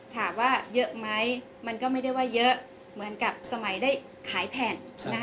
ถามว่าเยอะไหมมันก็ไม่ได้ว่าเยอะเหมือนกับสมัยได้ขายแผ่น